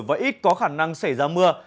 và ít có khả năng xảy ra mưa